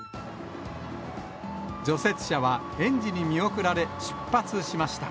除雪車は園児に見送られ、出発しました。